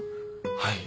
はい。